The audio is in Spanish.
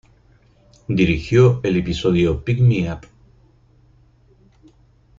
Dirigió el episodio "Pick me up".